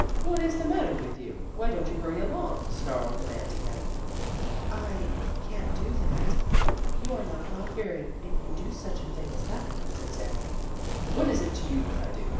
"What is the matter with you? Why don't you hurry along?" snarled the man to him. "I can't do that. You are not God fearing if you do such a thing as that," said Sami. "What is it to you, what I do?